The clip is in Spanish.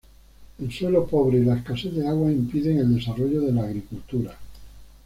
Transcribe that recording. El suelo pobre y la escasez de agua impiden el desarrollo de la agricultura.